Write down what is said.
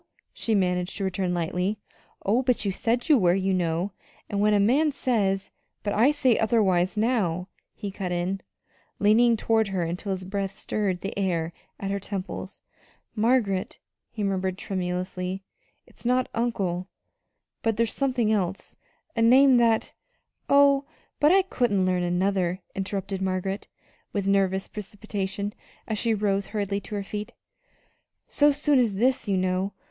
she managed to return lightly. "Oh, but you said you were, you know; and when a man says " "But I say otherwise now," he cut in, leaning toward her until his breath stirred the hair at her temples. "Margaret," he murmured tremulously, "it's not 'uncle,' but there's something else a name that " "Oh, but I couldn't learn another," interrupted Margaret, with nervous precipitation, as she rose hurriedly to her feet, "so soon as this, you know!